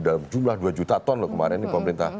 dalam jumlah dua juta ton loh kemarin ini pemerintah